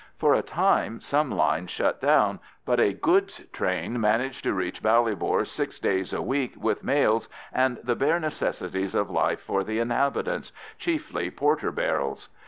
For a time some lines shut down, but a goods train managed to reach Ballybor six days a week with mails and the bare necessities of life for the inhabitants—chiefly porter barrels.